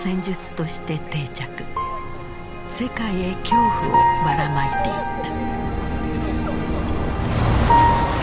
世界へ恐怖をばらまいていった。